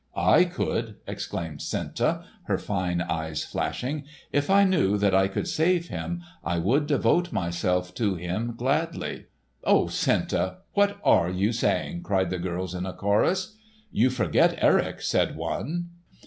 "I could!" exclaimed Senta, her fine eyes flashing. "If I knew that I could save him, I would devote myself to him gladly!" "Oh, Senta! What are you saying!" cried the girls in a chorus. "You forget Erik!" said one.